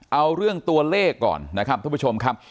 เอาเรื่องตัวเลขก่อนนะครับท่านผู้ชมครับ